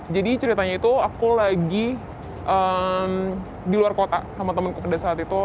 jadi ceritanya itu aku lagi di luar kota sama temanku pada saat itu